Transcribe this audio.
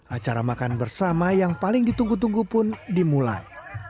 acara makan bersama yang paling ditunggu tunggu pun dimulai